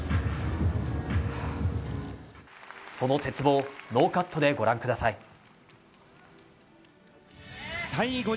その鉄棒、ノーカットでご覧ください。